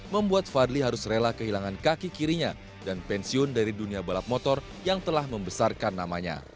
membuat fadli harus rela kehilangan kaki kirinya dan pensiun dari dunia balap motor yang telah membesarkan namanya